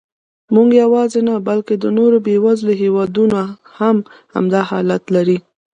موږ یواځې نه، بلکې د نورو بېوزلو هېوادونو هم همدا حالت لري.